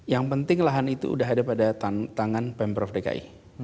yang penting lahan itu sudah ada pada tangan pemprov dki